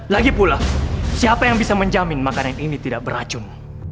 lagi pula siapa yang bisa menjamin makanan ini tidak beracun